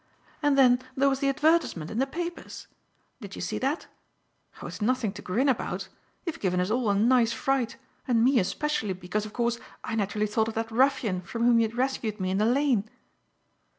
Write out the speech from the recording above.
And then there was the advertisement in the papers. Did you see that? Oh, it's nothing to grin about. You've given us all a nice fright; and me especially, because, of course, I naturally thought of that ruffian from whom you rescued me in the lane."